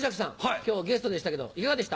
今日ゲストでしたけどいかがでした？